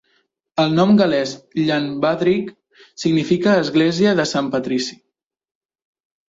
El nom gal·lès Llanbadrig significa "església de Sant Patrici".